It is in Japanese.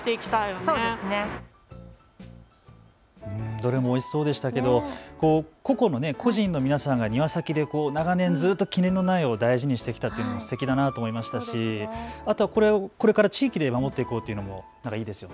どれもおいしそうでしたけれど個々の、個人の皆さんが庭先で長年ずっと苗を大事にしてきたというのがすてきだと思いましたし、これから地域で守っていこうというのもいいですよね。